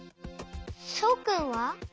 そうくんは？